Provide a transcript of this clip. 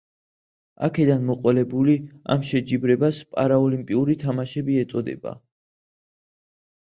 აქედან მოყოლებული, ამ შეჯიბრებას პარაოლიმპიური თამაშები ეწოდება.